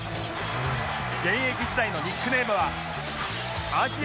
現役時代のニックネームは